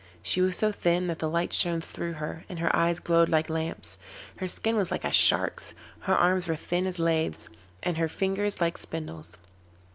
She was so thin that the light shone through her, and her eyes glowed like lamps; her skin was like a shark's, her arms were thin as laths, and her fingers like spindles.